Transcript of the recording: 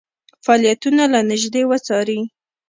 فعالیتونه له نیژدې وڅاري.